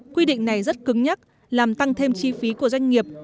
quy định này rất cứng nhắc làm tăng thêm chi phí của doanh nghiệp